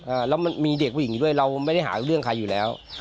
อ่าแล้วมันมีเด็กผู้หญิงอยู่ด้วยเราไม่ได้หาเรื่องใครอยู่แล้ว